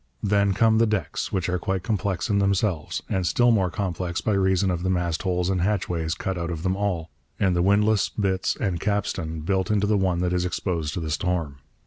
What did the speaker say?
Then come the decks, which are quite complex in themselves, and still more complex by reason of the mast holes and hatchways cut out of them all, and the windlass, bitts, and capstan built into the one that is exposed to the storm.